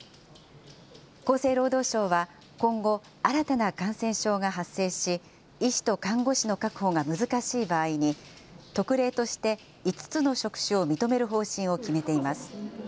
厚生労働省は、今後、新たな感染症が発生し、医師と看護師の確保が難しい場合に、特例として５つの職種を認める方針を決めています。